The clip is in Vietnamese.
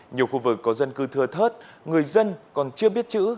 nhiều khu vực có dân cư thưa thớt người dân còn chưa biết chữ